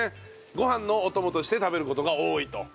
ご飯のお供として食べる事が多いと。